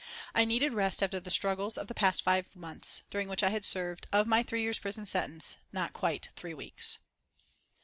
I needed rest after the struggles of the past five months, during which I had served, of my three years' prison sentence, not quite three weeks.